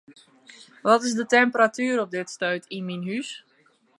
Wat is de temperatuer op it stuit yn myn hûs?